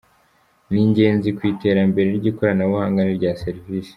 Ni ingenzi ku iterambere ry’ikoranabuhanga n’irya serivisi.